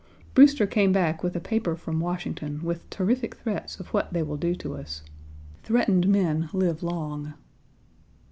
Brewster came back with a paper from Washington with terrific threats of what they will do to us. Threatened men live long.